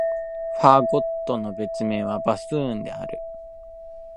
ファゴットの別名は、バスーンである。